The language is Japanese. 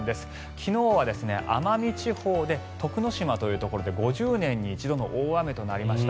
昨日は奄美地方の徳之島というところで５０年に一度の大雨となりました。